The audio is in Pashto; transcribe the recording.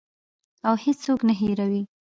او هیڅوک نه هیروي.